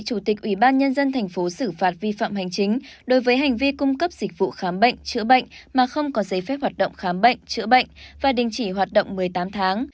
chủ tịch ủy ban nhân dân thành phố xử phạt vi phạm hành chính đối với hành vi cung cấp dịch vụ khám bệnh chữa bệnh mà không có giấy phép hoạt động khám bệnh chữa bệnh và đình chỉ hoạt động một mươi tám tháng